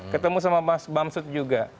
ketemu sama mas bamsud juga